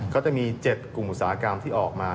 ก็จะมี๗กลุ่มอุตสาหกรรมที่ออกมา